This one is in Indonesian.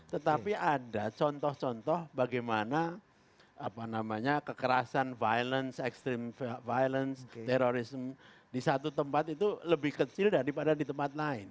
tetapi ada contoh contoh bagaimana kekerasan violence extreme violence terorisme di satu tempat itu lebih kecil daripada di tempat lain